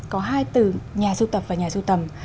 có hai từ nhà siêu tập và nhà siêu tầm